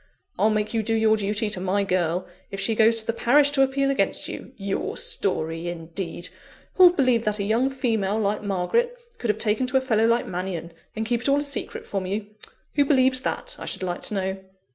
I'll make you do your duty to my girl, if she goes to the parish to appeal against you! Your story indeed! Who'll believe that a young female, like Margaret, could have taken to a fellow like Mannion? and kept it all a secret from you? Who believes that, I should like to know?"